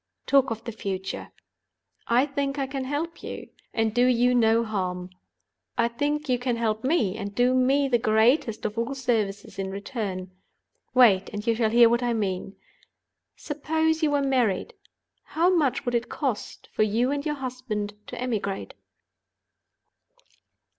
Talk of the future. I think I can help you, and do you no harm. I think you can help me, and do me the greatest of all services in return. Wait, and you shall hear what I mean. Suppose you were married—how much would it cost for you and your husband to emigrate?"